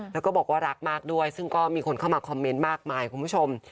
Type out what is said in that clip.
แล้วก็บอกว่ารักมากด้วยซึ่งก็มีคนเข้ามาคอมเมนต์มากมายคุณผู้ชม